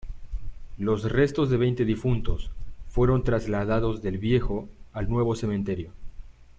Los restos de veinte difuntos fueron trasladados del viejo al nuevo cementerio.